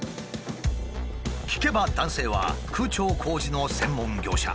聞けば男性は空調工事の専門業者。